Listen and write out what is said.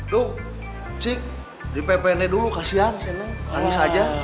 dung cik di ppne dulu kasihan si neng nangis aja